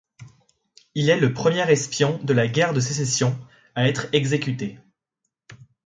Il est le premier espion de la guerre de Sécession à être exécuté.